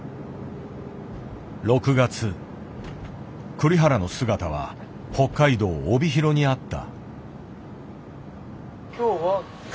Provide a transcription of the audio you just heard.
栗原の姿は北海道帯広にあった。